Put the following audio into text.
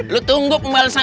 lu tunggu kembali sana